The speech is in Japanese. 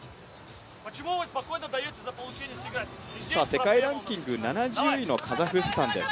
世界ランキング７０位のカザフスタンです。